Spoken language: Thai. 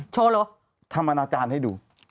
ช่อก็ทำอาจารย์ให้ดู